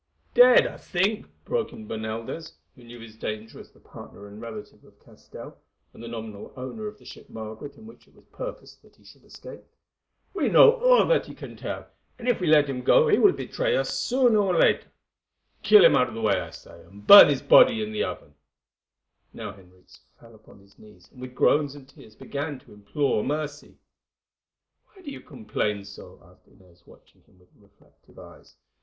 "Dead, I think," broke in Bernaldez, who knew his danger as the partner and relative of Castell, and the nominal owner of the ship Margaret in which it was purposed that he should escape. "We know all that he can tell, and if we let him go he will betray us soon or late. Kill him out of the way, I say, and burn his body in the oven." Now Henriques fell upon his knees, and with groans and tears began to implore mercy. "Why do you complain so?" asked Inez, watching him with reflective eyes.